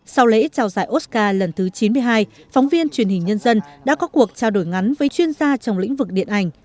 sau lễ chào giải oscar lần thứ chín mươi hai phóng viên truyền hình nhân dân đã có cuộc trao đổi ngắn với chuyên gia trong lĩnh vực điện ảnh